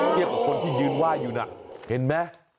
เกลียดกับคนที่ยืนไหว้อยู่นะเห็นมั้ย